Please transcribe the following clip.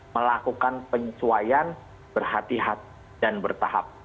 melakukan penyesuaian berhati hati dan bertahap